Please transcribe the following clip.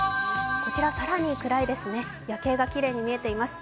こちらはさらに暗いですね、夜景がきれいに見えています。